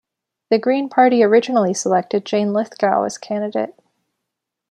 The Green Party originally selected Jane Lithgow as candidate.